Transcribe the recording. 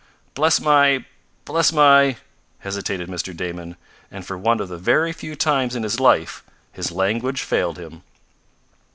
"Bless my bless my " hesitated Mr. Damon, and for one of the very few times in his life his language failed him.